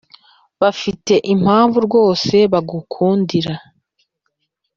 Bafite impamvu rwose bagukundira.